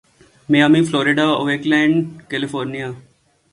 Miami Florida Oakland California